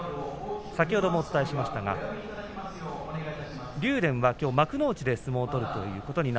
先ほどもお伝えしましたが竜電はきょう幕内で相撲を取ります。